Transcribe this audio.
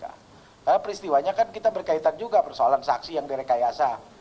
karena peristiwanya kan kita berkaitan juga persoalan saksi yang direkayasa